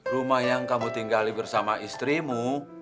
rumah yang kamu tinggali bersama istrimu